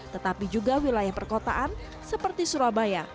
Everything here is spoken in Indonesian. tetapi juga wilayah perkotaan seperti surabaya